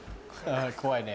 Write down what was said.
怖いね。